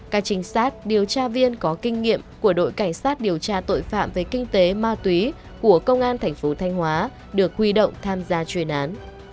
các trinh sát điều tra viên có kinh nghiệm của đội cảnh sát điều tra tội phạm về kinh tế ma túy của công an thành phố thanh hóa được huy động tham gia chuyên án